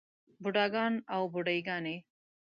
بوډاګان او بوډے ګانے